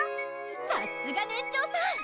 さすが年長さん！